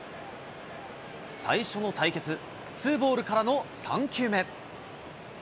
最初の対決、ツーボールからの３球目。